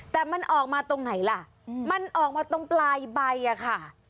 แต่มันออกมาตรงไหนล่ะมันออกมาตรงปลายใบอะค่ะ